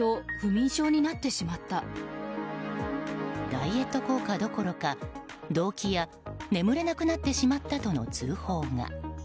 ダイエット効果どころか動機や眠れなくなってしまったとの通報が。